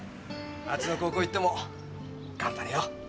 あっちの高校行っても頑張れよ。